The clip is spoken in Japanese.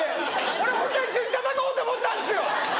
俺ホントは一緒に戦おうと思ったんですよ！